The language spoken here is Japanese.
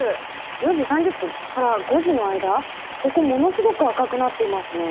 ４時３０分から５時の間ここものすごく赤くなっていますね。